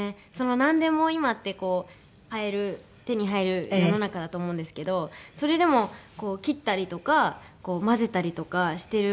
なんでも今ってこう買える手に入る世の中だと思うんですけどそれでも切ったりとか。